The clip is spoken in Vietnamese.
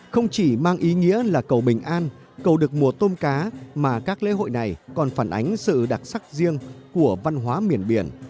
không chỉ mang ý nghĩa là cầu bình an cầu được mùa tôm cá mà các lễ hội này còn phản ánh sự đặc sắc riêng của văn hóa miền biển